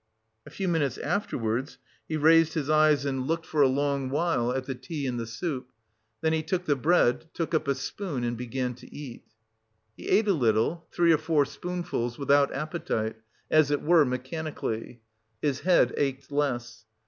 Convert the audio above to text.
A few minutes afterwards, he raised his eyes and looked for a long while at the tea and the soup. Then he took the bread, took up a spoon and began to eat. He ate a little, three or four spoonfuls, without appetite, as it were mechanically. His head ached less.